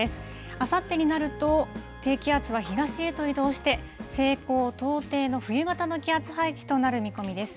あさってになると、低気圧は東へと移動して、西高東低の冬型の気圧配置となる見込みです。